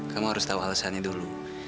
kamu harus tahu alasannya dulu